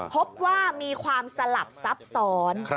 พบว่ามีความสลับซับซ้อน